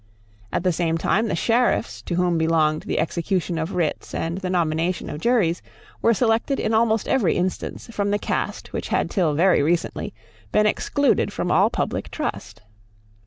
At the same time the Sheriffs, to whom belonged the execution of writs and the nomination of juries, were selected in almost every instance from the caste which had till very recently been excluded from all public trust.